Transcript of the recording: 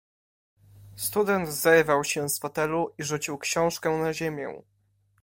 "Student zerwał się z fotelu i rzucił książkę na ziemię."